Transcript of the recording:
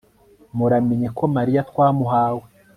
muramenye ko mariya twamuhawe